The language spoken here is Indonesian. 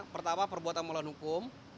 pertama perbuatan melawan hukum